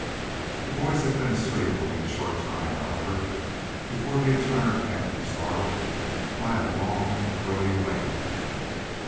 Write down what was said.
The boys had been asleep only a short time, however, before the entire camp was startled by a long, thrilling wail.